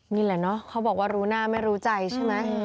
นี่แหละเนอะเขาบอกว่ารู้หน้าไม่รู้ใจใช่ไหม